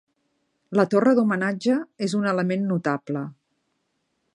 La torre d'homenatge és un element notable.